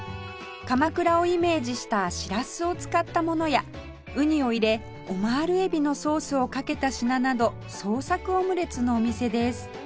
鎌倉をイメージしたしらすを使ったものやウニを入れオマール海老のソースをかけた品など創作オムレツのお店です